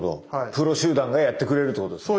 プロ集団がやってくれるってことですね。